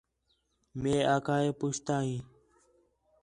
مئے آکھا ہِِے پُچھتا ہیں